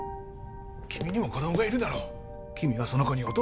君にも子供がいるだろ君はその子に